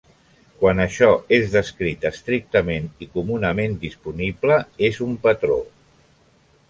Quan això és descrit estrictament i comunament disponible, és un patró.